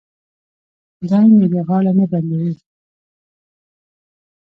خدای مې دې غاړه نه بندوي.